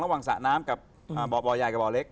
แล้ววางสระน้ำกับบ่อย่ายกับบ่อเล็ก